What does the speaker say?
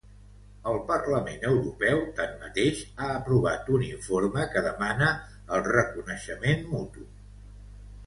El Parlament Europeu, tanmateix, ha aprovat un informe que demana el reconeixement mutu.